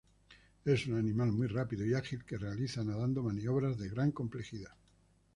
Es un animal muy rápido y ágil que realiza nadando maniobras de gran complejidad.